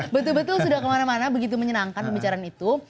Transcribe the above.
betul betul sudah kemana mana begitu menyenangkan pembicaraan itu